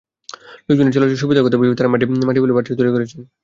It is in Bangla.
লোকজনের চলাচলের সুবিধার কথা ভেবেই তাঁরা মাটি ফেলে বাঁধটি তৈরি করেছেন।